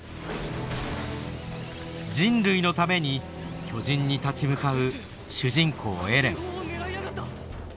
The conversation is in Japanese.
人類のために巨人に立ち向かう主人公エレン。